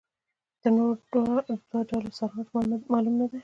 د نورو دوو ډلو سرنوشت معلوم نه دی.